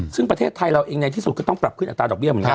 ซึ่งประเทศไทยเราเองในที่สุดก็ต้องปรับขึ้นอัตราดอกเบี้ยเหมือนกัน